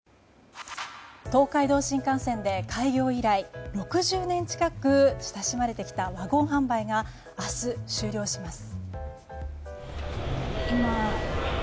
東海道新幹線で開業以来、６０年近く親しまれてきたワゴン販売が明日、終了します。